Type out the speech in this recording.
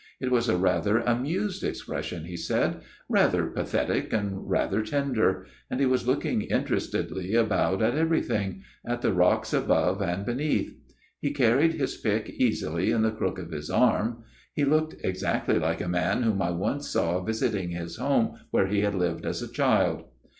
"* It was a rather amused expression,' he said, MR. PERCIVAL'S TALE 279 * rather pathetic and rather tender ; and he was looking interestedly about at everything at the rocks above and beneath : he carried his pick easily in the crook of his arm. He looked exactly like a man whom I once saw visiting his home where he had lived as a child.'